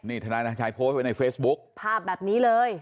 นี่ทนายนาชัยโพสต์ไว้ในเฟซบุ๊คภาพแบบนี้เลย